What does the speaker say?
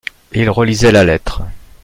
Et il relisait la lettre.